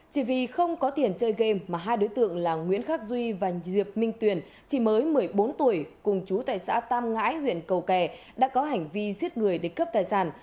chỉ vì không có tiền chơi game mà hai đối tượng là nguyễn khắc duy và diệp minh tuyền chỉ mới một mươi bốn tuổi cùng chú tại xã tam ngãi huyện cầu kè đã có hành vi giết người để cướp tài sản